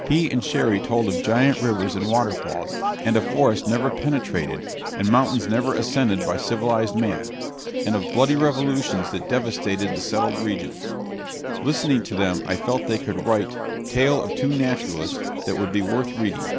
He and Cherrie told of giant rivers and waterfalls, and of forests never penetrated, and mountains never ascended by civilized man; and of bloody revolutions that devastated the settled regions. Listening to them I felt that they could write "Tales of Two Naturalists" that would be worth reading.